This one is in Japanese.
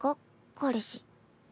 彼氏。